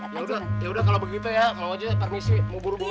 yaudah yaudah kalau begitu ya mang ojo permisi mau buru buru